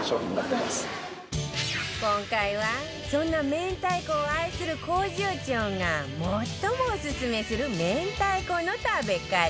今回はそんな明太子を愛する工場長が最もオススメする明太子の食べ方